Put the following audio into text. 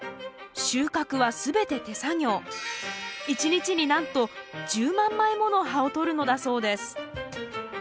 １日になんと１０万枚もの葉をとるのだそうです